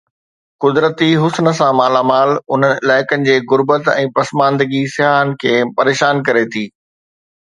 قدرتي حسن سان مالا مال انهن علائقن جي غربت ۽ پسماندگي سياحن کي پريشان ڪري ٿي.